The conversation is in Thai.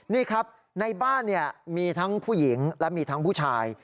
นี่ครับในบ้านมีทั้งผู้หญิงและมีทั้งผู้ชาย